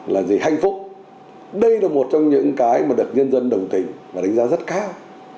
là gì hạnh phúc đây là một trong những cái mà được nhân dân đồng tình và đánh giá rất cao